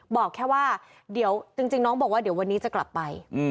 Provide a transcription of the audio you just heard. บอกแค่ว่าเดี๋ยวจริงน้องบอกว่าเดี๋ยววันนี้จะกลับไป